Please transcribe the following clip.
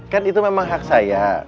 kan itu memang hak saya